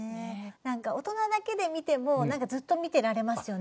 何か大人だけで見てもずっと見てられますよね。